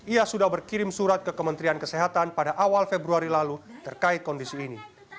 ia sudah berkirim surat ke kementerian kesehatan pada awal februari lalu terkait kondisi ini